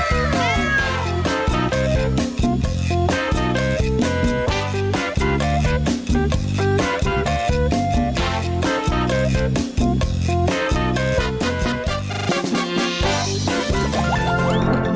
สวัสดีค่ะ